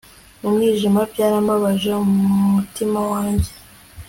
Mu mwijima Byarambabaje umutima wanjye